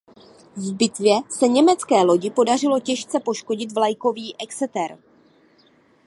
V bitvě se německé lodi podařilo těžce poškodit vlajkový "Exeter".